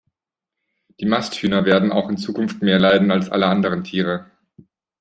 Die Masthühner werden auch in Zukunft mehr leiden als alle anderen Tiere.